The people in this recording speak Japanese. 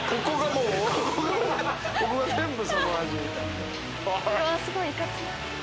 うわすごいいかつい。